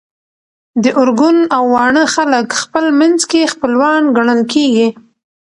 د ارګون او واڼه خلک خپل منځ کي خپلوان ګڼل کيږي